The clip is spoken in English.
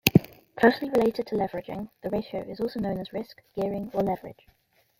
Closely related to leveraging, the ratio is also known as risk, gearing or leverage.